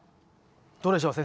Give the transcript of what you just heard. どうでしょう？